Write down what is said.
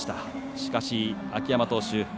しかし、秋山投手